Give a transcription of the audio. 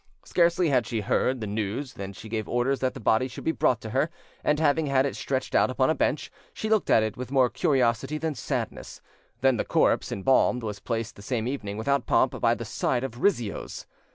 Scarcely had she heard the news than she gave orders that the body should be brought to her, and, having had it stretched out upon a bench, she looked at it with more curiosity than sadness; then the corpse, embalmed, was placed the same evening, without pomp, by the side of Rizzio's.